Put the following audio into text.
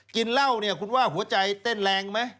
กินเหล้าเนี่ยคุณว่าหัวใจเต้นแรงไหม